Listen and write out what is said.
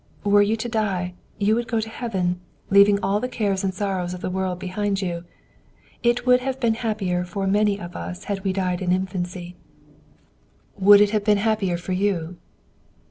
Were you to die, you would go to Heaven, leaving all the cares and sorrows of the world behind you. It would have been happier for many of us had we died in infancy." "Would it have been happier for you?"